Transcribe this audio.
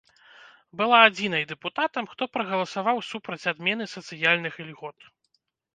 Была адзінай дэпутатам, хто прагаласаваў супраць адмены сацыяльных ільгот.